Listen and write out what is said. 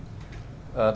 tôi muốn nói là